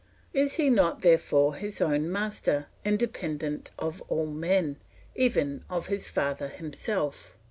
Is he not therefore his own master, independent of all men, even of his father himself?